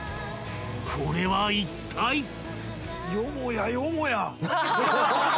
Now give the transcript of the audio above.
［これはいったい］